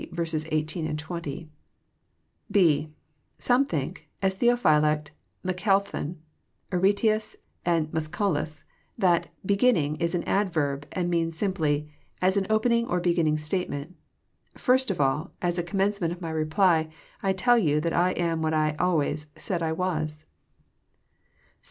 (&) Some think, as Theophylact, Melancthon, Aretius, and Musculus, that ^' beginning " is an adverb, and means simply, " as an opening or beginning statement." First of all, as a commencement of My reply, I tell you that I am what I always said I was."